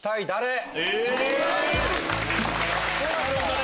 なるほどね！